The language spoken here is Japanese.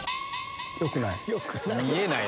よくない。